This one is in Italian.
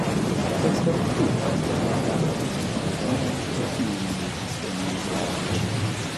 Questa rottura è stata la causa dello svuotamento di uno dei sistemi idraulici.